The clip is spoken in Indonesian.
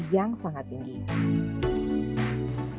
yang sangat penting untuk mencapai peningkatan peningkatan